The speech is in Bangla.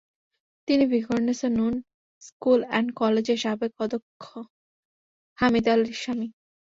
তিনি ভিকারুন্নিসা নূন স্কুল অ্যান্ড কলেজের সাবেক অধ্যক্ষ হামিদা আলীর স্বামী।